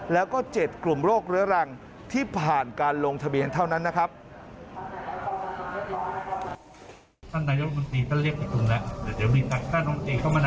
แล้วก็๗กลุ่มโรคเรื้อรังที่ผ่านการลงทะเบียนเท่านั้นนะครับ